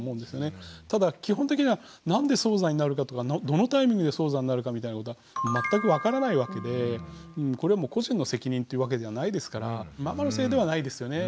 ただ基本的には何で早産になるかとかどのタイミングで早産になるかみたいなことは全く分からないわけでこれはもう個人の責任っていうわけではないですからママのせいではないですよね。